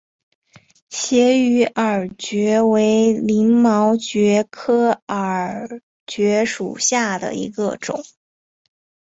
斜羽耳蕨为鳞毛蕨科耳蕨属下的一个种。